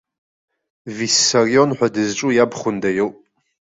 Виссарион ҳәа дызҿу иабхәында иоуп.